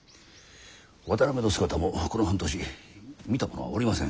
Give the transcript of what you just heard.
渡辺の姿もこの半年見た者はおりません。